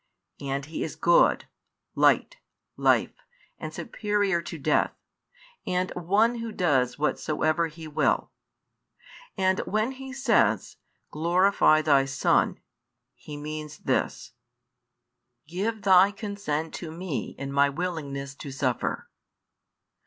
And He is Good, Light, Life, and superior to death, and One Who does whatsoever He will. And when He says: Glorify Thy Son, He means this: "Give Thy consent to Me in My willingness to suffer."